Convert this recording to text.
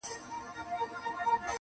له کتابه یې سر پورته کړ اسمان ته؛